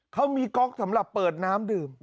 เขามีก๊อกสำหรับเปิดน้ำดื่ม